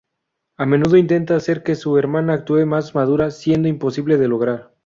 A menudo intenta hacer que su hermana actúe más madura, siendo imposible de lograr.